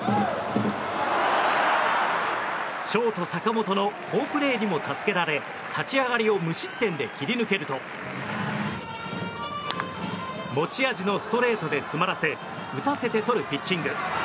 ショート、坂本の好プレーにも助けられ立ち上がりを無失点で切り抜けると持ち味のストレートで詰まらせ打たせてとるピッチング。